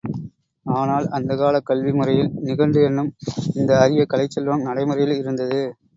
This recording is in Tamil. ஆனால் அந்தக் காலக் கல்வி முறையில் நிகண்டு என்னும் இந்த அரிய கலைச் செல்வம் நடைமுறையில் இருந்தது.